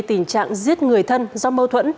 tình trạng giết người thân do mâu thuẫn